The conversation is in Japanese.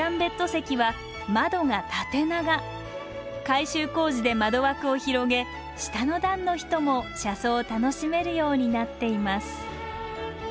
改修工事で窓枠を広げ下の段の人も車窓を楽しめるようになっています